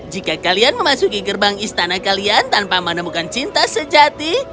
jika kalian memasuki gerbang istana kalian tanpa menemukan cinta sejati